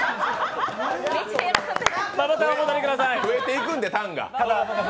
増えていくんで、タンが。